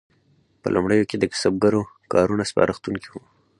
په لومړیو کې د کسبګرو کارونه سپارښتونکي وو.